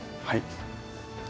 はい。